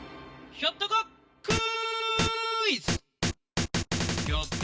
ひょっとこクイズ！」